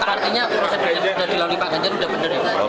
artinya proses berjalan di lalu lima ganjar udah bener ya pak